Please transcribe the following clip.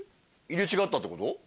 入れ違ったってこと？